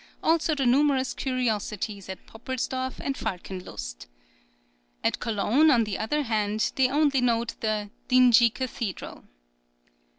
also the numerous curiosities at Poppelsdorf and Falkenlust. At Cologne, on the other hand, they only note the "dingy cathedral."